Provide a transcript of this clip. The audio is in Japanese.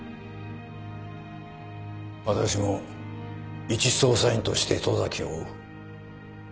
私も一捜査員として十崎を追う。